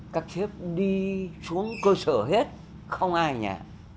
các chiếp đi xuống cơ sở hết không ai ở nhà